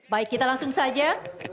baik kita langsung saja